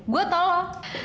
gua tau loh